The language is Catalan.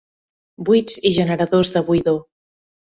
Buits i generadors de buidor.